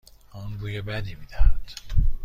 آن بوی بدی میدهد.